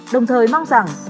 đồng thời mong rằng